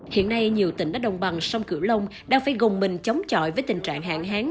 hiện nay nhiều tỉnh ở đồng bằng sông cửu long đang phải gồng mình chống chọi với tình trạng hạn hán